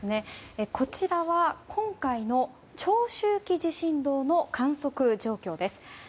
こちらは今回の長周期地震動の観測状況です。